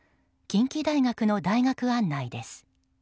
近畿大学の大学案内です。